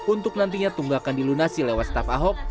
untuk nantinya tunggakan dilunasi lewat staf ahok